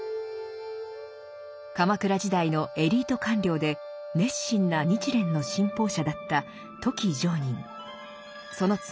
鎌倉時代のエリート官僚で熱心な日蓮の信奉者だったその妻